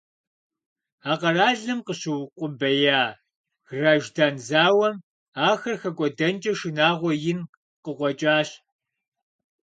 А къэралым къыщыукъубея граждан зауэм ахэр хэкӀуэдэнкӀэ шынагъуэ ин къыкъуэкӀащ.